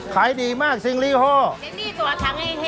คายดีมากค่ะค่ะไซน์ลี่ห้อตัวทางเห้ย